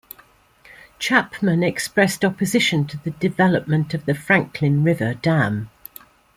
Chapman expressed opposition to the development of the Franklin River Dam.